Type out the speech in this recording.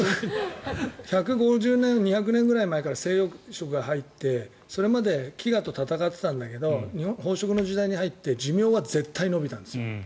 １５０年、２００年ぐらい前から西洋食が入ってそれまで飢餓と闘っていたんだけど飽食の時代に入って寿命は絶対延びたんです。